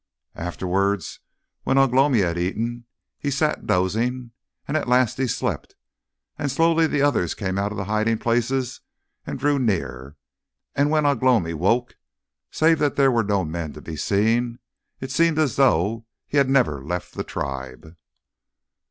Afterwards, when Ugh lomi had eaten, he sat dozing, and at last he slept, and slowly the others came out of the hiding places and drew near. And when Ugh lomi woke, save that there were no men to be seen, it seemed as though he had never left the tribe.